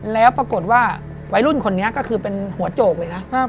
แล้วปรากฏว่าวัยรุ่นคนนี้ก็คือเป็นหัวโจกเลยนะ